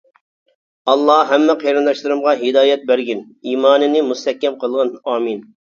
ئاللا ھەممە قېرىنداشلىرىمغا ھىدايەت بەرگىن، ئىمانىنى مۇستەھكەم قىلغىن، ئامىن.